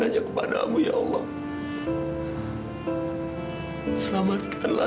hanya kepadamulah kami menyembah ya allah